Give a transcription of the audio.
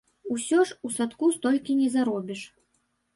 Усё ж у садку столькі не заробіш.